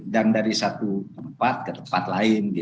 dan dari satu tempat ke tempat lain